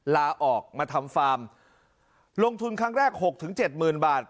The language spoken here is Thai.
ลาออกมาทำฟาร์มลงทุนครั้งแรก๖๗หมื่นบาท